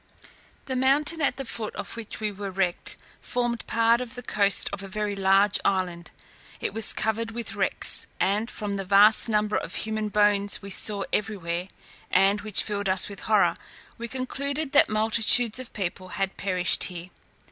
The mountain at the foot of which we were wrecked formed part of the coast of a very large island. It was covered with wrecks, and from the vast number of human bones we saw everywhere, and which filled us with horror, we concluded that multitudes of people had perished there.